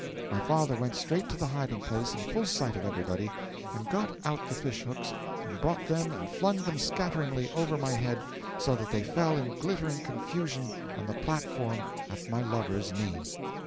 'My father went straight to the hiding place in full sight of everybody, and got out the fish hooks and brought them and flung them scatteringly over my head, so that they fell in glittering confusion on the platform at my lover's knee.